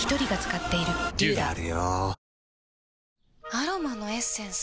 アロマのエッセンス？